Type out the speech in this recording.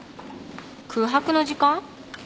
空白の時間？